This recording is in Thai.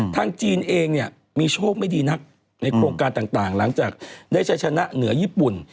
จีนเองเนี่ยมีโชคไม่ดีนักในโครงการต่างหลังจากได้ใช้ชนะเหนือญี่ปุ่น